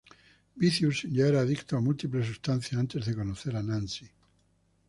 Vicious ya era adicto a múltiples sustancias antes de conocer a Nancy.